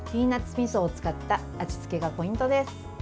みそを使った味付けがポイントです。